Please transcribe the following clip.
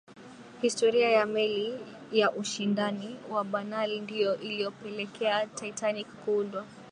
historia ya meli ya ushindani wa banal ndiyo iliyopelekea titanic kuundwa